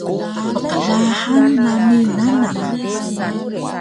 Pqlahang nami nanaq